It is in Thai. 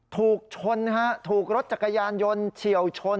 ถูกชนนะฮะถูกรถจักรยานยนต์เฉียวชน